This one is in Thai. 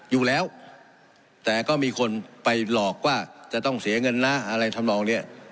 อยู่แล้วแต่ก็มีคนไปหลอกว่าจะต้องเสียเงินนะอะไรทำนองเนี่ย